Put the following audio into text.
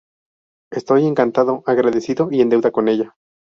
Estoy encantado, agradecido, y en deuda con ella".